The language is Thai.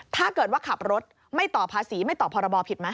ถ้าเกิดว่าขับรถไม่ต่อภาษีไม่ต่อพรบผิดไหม